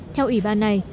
theo ủy ban này